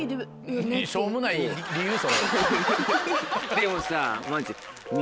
でもさ。